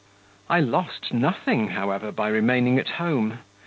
I lost nothing, however, by remaining at home.